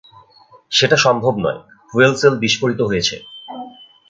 Set সম্ভব নয়, fuel cell বিস্ফোরিত হয়েছে।